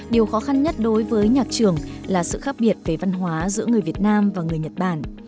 điều khó khăn nhất đối với nhạc trưởng là sự khác biệt về văn hóa giữa người việt nam và người nhật bản